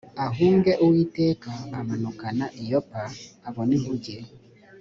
ahunge uwiteka amanukana i yopa abona inkuge